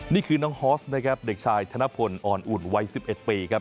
นี่คือน้องฮอสนะครับเด็กชายธนพลอ่อนอุ่นวัย๑๑ปีครับ